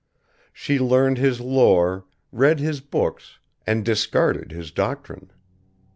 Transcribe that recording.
She learned his lore, read his books, and discarded his doctrine.